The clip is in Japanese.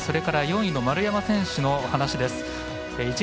それから４位の丸山選手の話です。